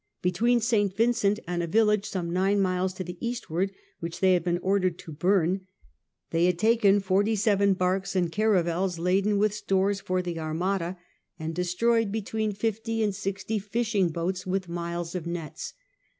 Between St. Vincent and a village some nine miles to the eastward which they had been ordered to bum, they had taken forty seven barks and caravels laden with stores for the Armada^ and destroyed between 126 SIR FRANCIS DRAKE chap. fifty and sixty fishing boats with miles of nets.